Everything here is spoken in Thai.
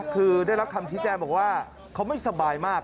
คือได้รับคำชี้แจงบอกว่าเขาไม่สบายมาก